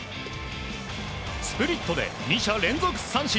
スプリットで２者連続三振。